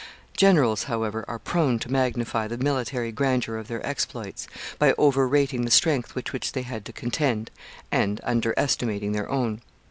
Generals, however, are prone to magnify the military grandeur of their exploits by overrating the strength with which they had to contend, and under estimating their own.